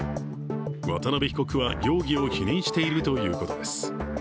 渡邉被告は容疑を否認しているということです。